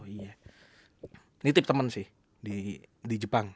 ini tip temen sih di jepang